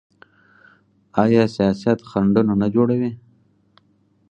آیا سیاست خنډونه نه جوړوي؟